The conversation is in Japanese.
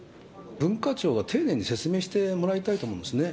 文化庁は丁寧に説明してもらいたいと思うんですね。